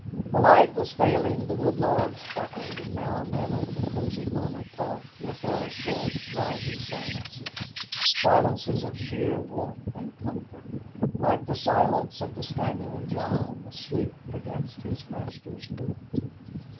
The light was failing, the wood logs crackled, and now and then over the cosy hum of talk there fell short, drowsy silences silences of sheer warmth and comfort, like the silence of the spaniel John asleep against his master's boot.